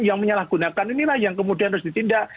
yang menyalahgunakan inilah yang kemudian harus ditindak